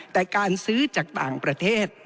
แต่การซื้อจากต่างประเทศ